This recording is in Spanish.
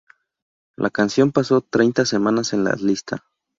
La canción pasó treinta semanas en la lista.